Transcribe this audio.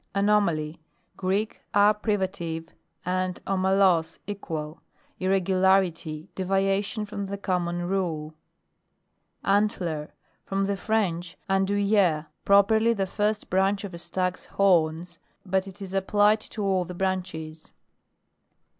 ANOMALY. Greek, a privative, and omalos, equal. Irregularity, devia tion from the common rule. ANTLER. From the French, andouil ler, properly the first branch of a stag's horns ; but it is applied to all the branches.